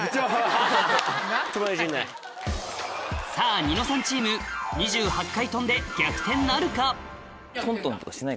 さぁニノさんチーム２８回跳んで逆転なるか？